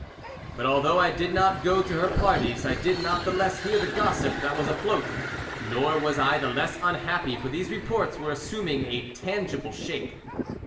"But although I did not go to her parties I did not the less hear the gossip that was afloat, nor was I the less unhappy, for these reports were assuming a tangible shape.